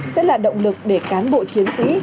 sẽ là động lực để cán bộ chiến sĩ